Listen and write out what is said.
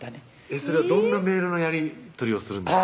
それはどんなメールのやり取りをするんですか？